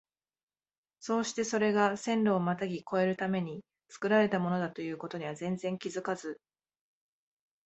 そうしてそれが線路をまたぎ越えるために造られたものだという事には全然気づかず、